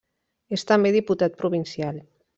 És també diputat provincial.